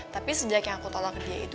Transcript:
tapi sejak yang aku tolong ke dia itu